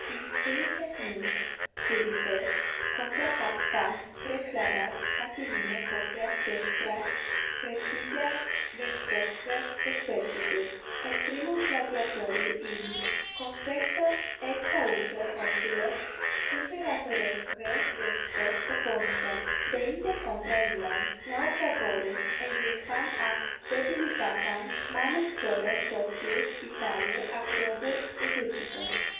Instruite nunc, Quirites, contra has tam praeclaras Catilinae copias vestra praesidia vestrosque exercitus: et primum gladiatori illi confecto et saucio consules imperatoresque vestros opponite; deinde contra illam naufragorum eiectam ac debilitatam manum florem totius Italiae ac robur educite.